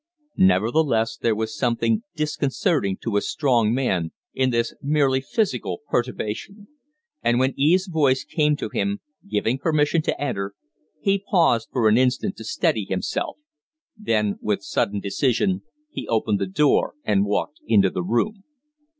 Nevertheless there was something disconcerting to a strong man in this merely physical perturbation; and when Eve's voice came to him, giving permission to enter, he paused for an instant to steady himself; then with sudden decision he opened the door and walked into the room.